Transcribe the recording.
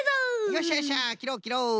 よっしゃよっしゃきろうきろう！